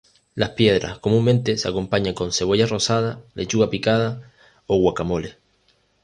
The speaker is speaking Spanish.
Las piedras comúnmente se acompañan con cebolla rosada, lechuga picada o guacamole.